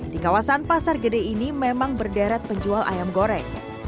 di kawasan pasar gede ini memang berderet penjual ayam goreng